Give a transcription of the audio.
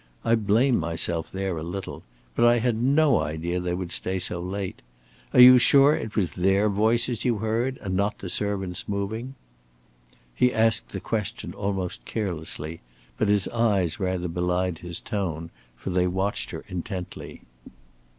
I blame myself there a little. But I had no idea they would stay so late. Are you sure it was their voices you heard and not the servants moving?" He asked the question almost carelessly, but his eyes rather belied his tone, for they watched her intently.